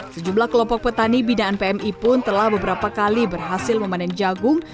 sejumlah kelompok petani binaan pmi pun telah beberapa kali berhasil memanen jagung